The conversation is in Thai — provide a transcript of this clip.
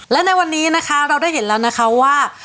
และในวันนี้นะคะเราได้เห็นแล้วนะคะว่า